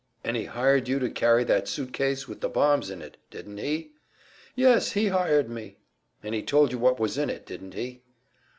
"And he hired you to carry that suit case with the bombs in it, didn't he?" "Yes, he hired me." "And he told you what was in it, didn't he?"